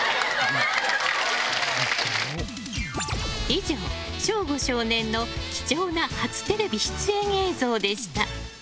以上、省吾少年の貴重な初テレビ出演映像でした。